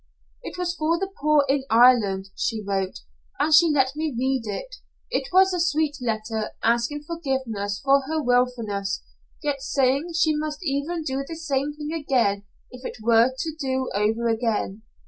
"It was for the poor in Ireland she wrote, and she let me read it. It was a sweet letter, asking forgiveness for her willfulness, yet saying she must even do the same thing again if it were to do over again.